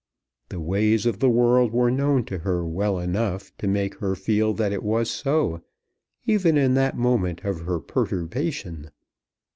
The ways of the world were known to her well enough to make her feel that it was so, even in that moment of her perturbation.